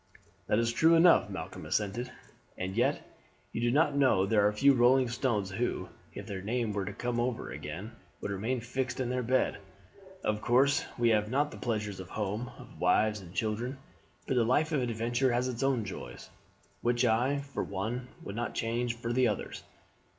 "That is true enough," Malcolm assented; "and yet do you know there are few rolling stones who, if their time were to come over again, would remain fixed in their bed. Of course we have not the pleasures of home, of wives and children; but the life of adventure has its own joys, which I, for one, would not change for the others.